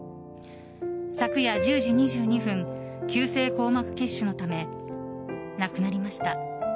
昨夜１０時２２分急性硬膜下血腫のため亡くなりました。